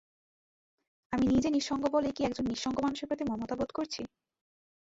আমি নিজে নিঃসঙ্গ বলেই কি একজন নিঃসঙ্গ মানুষের প্রতি মমতা বোধ করছি?